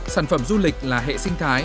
sản phẩm du lịch là hệ sinh thái